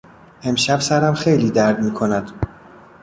امشب سرم خیلی درد میکند.